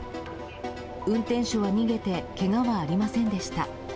運転手は逃げてけがはありませんでした。